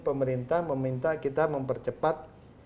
pemerintah meminta kita mempercepat